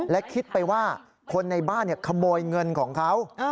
และคิดไปว่าคนในบ้านขโมยเงินของเขา